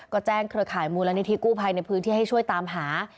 ก็แจ้งเครือข่ายมูลนิธิกู้ภัยในพื้นที่ให้ช่วยตามหา